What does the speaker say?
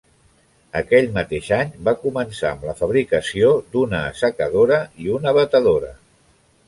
Aquell mateix any va començar amb la fabricació d'una assecadora i una batedora.